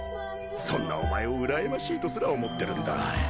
そんなお前を羨ましいとすら思ってるんだ。